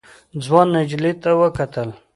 ځوان نجلۍ ته وکتل.